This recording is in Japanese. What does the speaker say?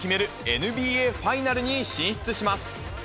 ＮＢＡファイナルに進出します。